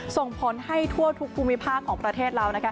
ส่งผลให้ทั่วทุกภูมิภาคของประเทศเรานะคะ